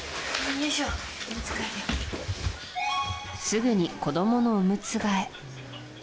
すぐに子供のおむつ替え。